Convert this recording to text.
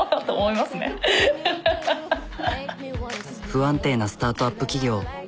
不安定なスタートアップ企業。